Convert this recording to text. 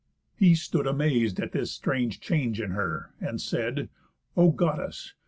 He stood amaz'd at this strange change in her, And said: "O Goddess!